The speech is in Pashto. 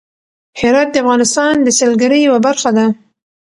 هرات د افغانستان د سیلګرۍ یوه برخه ده.